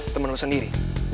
temen lu sendiri